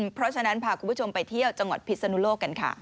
เพราะฉะนั้นพาคุณผู้ชมไปเที่ยวจังหวัดพิศนุโลกกันค่ะ